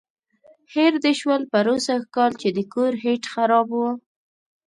هېر دې شول پروسږ کال چې د کور هیټ خراب و.